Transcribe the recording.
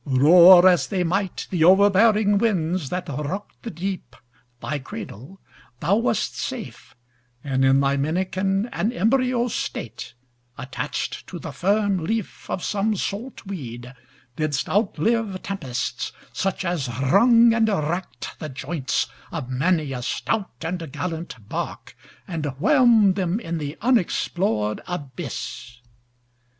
Roar as they might, the overbearing winds That rock'd the deep, thy cradle, thou wast safe And in thy minikin and embryo state, Attach'd to the firm leaf of some salt weed, Didst outlive tempests, such as wrung and rack'd The joints of many a stout and gallant bark, And whelm'd them in the unexplor'd abyss.